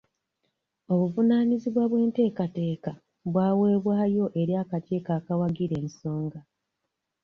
Obuvunaanyizibwa bw'enteekateeka bwaweebwayo eri akakiiko akawagira ensonga.